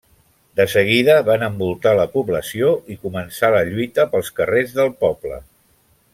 De seguida van envoltar la població i començà la lluita pels carrers del poble.